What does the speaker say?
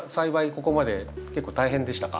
ここまで結構大変でしたか？